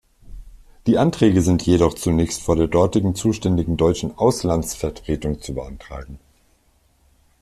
Die Anträge sind jedoch zunächst vor der dortigen zuständigen deutschen Auslandsvertretung zu beantragen.